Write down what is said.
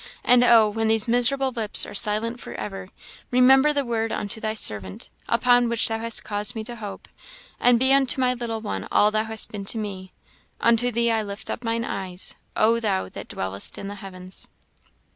And oh! when these miserable lips are silent for ever, remember the word unto thy servant, upon which thou hast caused me to hope; and be unto my little one all thou hast been to me! Unto thee I lift up mine eyes, O thou that dwellest in the heavens!"